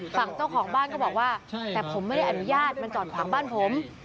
ฝั่งเจ้าของบ้านก็บอกว่าแต่ผมไม่ได้อนุญาตมันจอดขวางบ้านผม